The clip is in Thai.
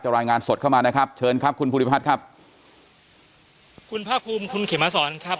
รายงานสดเข้ามานะครับเชิญครับคุณภูริพัฒน์ครับคุณภาคภูมิคุณเขมมาสอนครับ